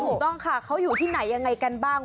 ถูกต้องค่ะเขาอยู่ที่ไหนยังไงกันบ้าง